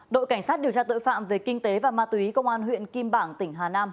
đội cảnh sát điều tra tội phạm về kinh tế và ma túy công an huyện kim bảng tỉnh hà nam